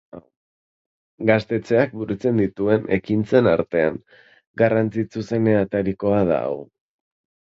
Gaztetxeak burutzen dituen ekintzen artean, garrantzitsuenetarikoa da hau.